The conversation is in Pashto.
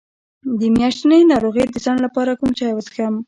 د میاشتنۍ ناروغۍ د ځنډ لپاره کوم چای وڅښم؟